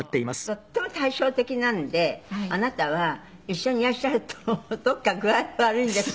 とっても対照的なんであなたは一緒にいらっしゃると「どこか具合悪いんですか」